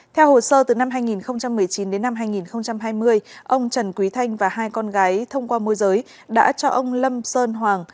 theo hồ sơ từ năm hai nghìn một mươi chín đến năm hai nghìn hai mươi ông trần quý thanh và hai con gái thông qua môi giới đã cho ông lâm sơn hoàng